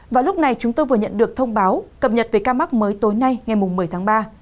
và lúc này chúng tôi vừa nhận được thông báo cập nhật về ca mắc mới tối nay ngày một mươi tháng ba